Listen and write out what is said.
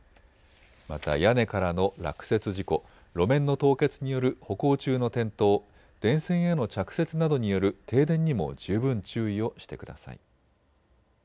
また屋根からの落雪事故、路面の凍結による歩行中の転倒、電線への着雪などによる停電にも十分注意をしてください。